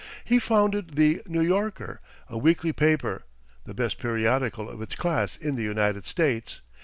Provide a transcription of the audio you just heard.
He founded the "New Yorker," a weekly paper, the best periodical of its class in the United States.